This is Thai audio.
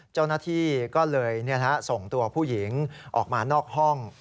เจ้าหน้าที่ก็เลยส่งตัวผู้หญิงออกมานอกห้อง